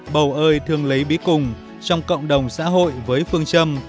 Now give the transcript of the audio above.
bầu ơi thương lấy bí cùng trong cộng đồng xã hội với phương châm